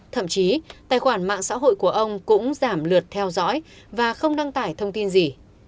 thậm chí tài khoản mạng xã hội của ông cũng giảm lượt theo dõi và không đăng tải thông tin gì